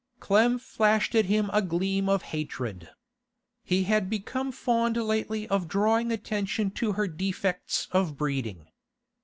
Clem flashed at him a gleam of hatred. He had become fond lately of drawing attention to her defects of breeding.